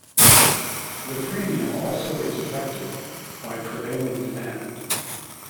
The premium also is affected by prevailing demand.